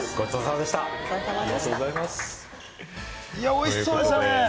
おいしそうでしたね。